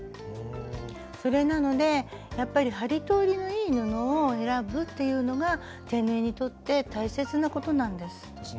それなのでやっぱり針通りのいい布を選ぶっていうのが手縫いにとって大切なことなんです。